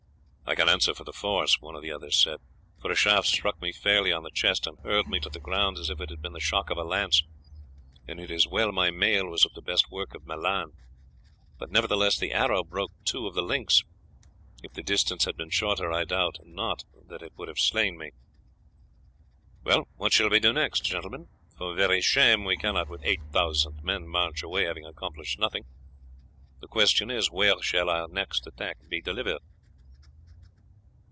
"I can answer for the force," one of the others said, "for a shaft struck me fairly on the chest, and hurled me to the ground as if it had been the shock of a lance, and it is well my mail was of the best work of Milan; but nevertheless the arrow broke two of the links; if the distance had been shorter, I doubt not that it would have slain me. Well, what shall we do next, gentlemen? For very shame we cannot with eight thousand men march away having accomplished nothing. The question is, where shall our next attack be delivered?"